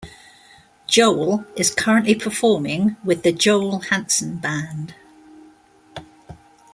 Joel is currently performing with The Joel Hanson Band.